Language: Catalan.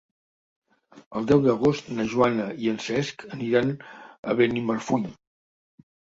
El deu d'agost na Joana i en Cesc aniran a Benimarfull.